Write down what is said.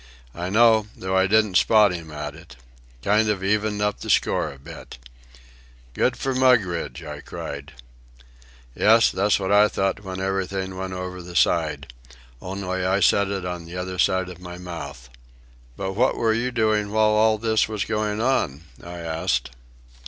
"I know, though I didn't spot him at it. Kind of evened up the score a bit." "Good for Mugridge!" I cried. "Yes, that's what I thought when everything went over the side. Only I said it on the other side of my mouth." "But what were you doing while all this was going on?" I asked.